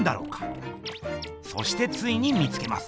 そしてついに見つけます！